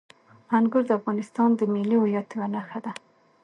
انګور د افغانستان د ملي هویت یوه نښه ده.